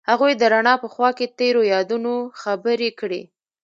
هغوی د رڼا په خوا کې تیرو یادونو خبرې کړې.